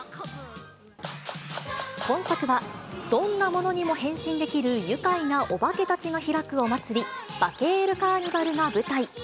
今作は、どんなものにも変身できる愉快なオバケたちが開くお祭り、バケールカーニバルが舞台。